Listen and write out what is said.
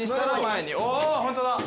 おホントだ。